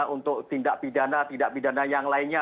untuk tindak pidana tindak pidana yang lainnya